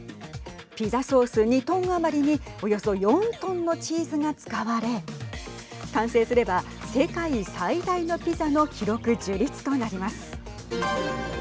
ピザソース２トン余りにおよそ４トンのチーズが使われ完成すれば世界最大のピザの記録樹立となります。